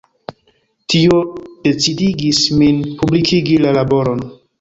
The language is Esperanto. Tio decidigis min publikigi la laboron.